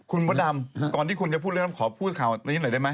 คุณมดดำก่อนที่คุณจะพูดเรื่องขอพูดข่าวนี้หน่อยได้ไหม